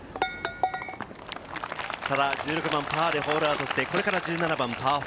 ただ１６番、パーでホールアウトして、これから１７番のパー４。